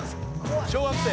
「小学生」